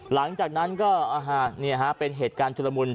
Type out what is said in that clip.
หลังจากนั้นก็อ่าฮะเนี่ยฮะเป็นเหตุการณ์จุดศัพท์มนตร์